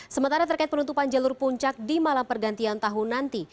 sementara terkait penutupan jalur puncak di malam pergantian tahun nanti